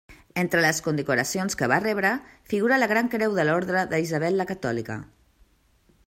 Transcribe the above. Entre les condecoracions que va rebre figura la Gran Creu de l'Orde d'Isabel la Catòlica.